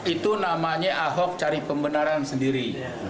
itu namanya ahok cari pembenaran sendiri